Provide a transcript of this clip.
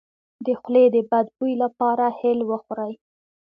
د خولې د بد بوی لپاره هل وخورئ